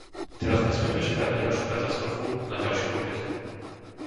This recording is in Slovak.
Teraz nesmieme čakať na ďalšiu katastrofu, na ďalšie obete.